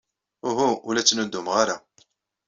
Uhu, ur la ttnuddumeɣ ara.